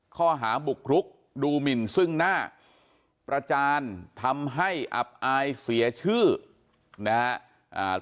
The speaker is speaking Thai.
ข้อหาบุกรุกดูหมินซึ่งหน้าประจานทำให้อับอายเสียชื่อนะครับ